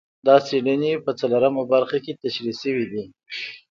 دا څېړنې په څلورمه برخه کې تشرېح شوي دي.